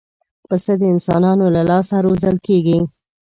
پسه د انسانانو له لاسه روزل کېږي.